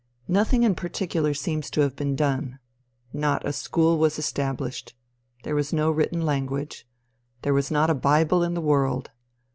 Nothing in particular seems to have been done. Not a school was established. There was no written language. There was not a bible in the world.